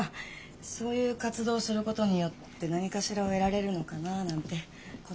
そういう活動をすることによって何かしらを得られるのかななんてことなんですかね。